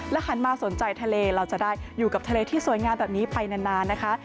หันมาสนใจทะเลเราจะได้อยู่กับทะเลที่สวยงามแบบนี้ไปนานนะคะ